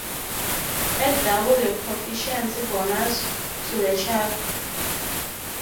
Add double your proficiency bonus to the check.